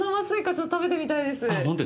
ちょっと食べてみたいです。